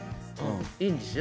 いいんですよ